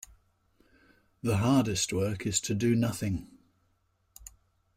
The hardest work is to do nothing.